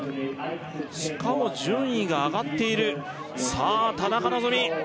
しかも順位が上がっているさあ田中希実